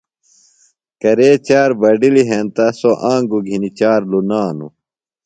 کرے چار بڈِلیۡ ہینتہ سوۡ آنگُوۡ گِھنیۡ چار لُنانوۡ۔